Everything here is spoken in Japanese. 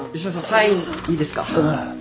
サインいいですか？